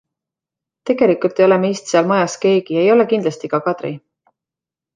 Tegelikult ei ole meist seal majas keegi, ei ole kindlasti ka Kadri.